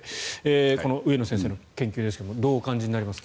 この上野先生の研究ですがどうお感じになりますか。